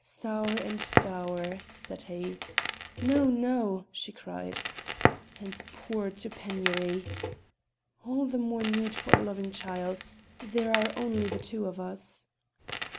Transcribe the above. "Sour and dour " said he. "No, no!" she cried. "And poor to penury." "All the more need for a loving child. There are only the two of us."